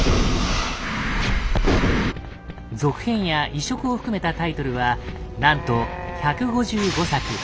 続編や移植を含めたタイトルはなんと１５５作。